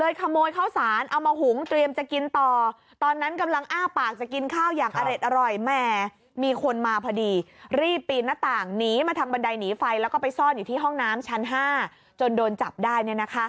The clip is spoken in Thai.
อยู่ที่ห้องน้ำชั้น๕จนโดนจับได้